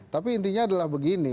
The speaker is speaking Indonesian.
tapi intinya adalah begini